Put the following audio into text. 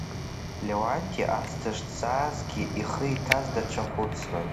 Леуанти ас дышҵаазгьы, ихы иҭаз даҽа хәыцран…